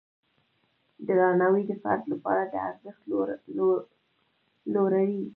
درناوی د فرد لپاره د ارزښت لوړوي.